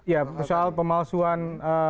ya soal pemalsuan